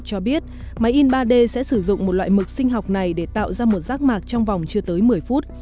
cho biết máy in ba d sẽ sử dụng một loại mực sinh học này để tạo ra một rác mạc trong vòng chưa tới một mươi phút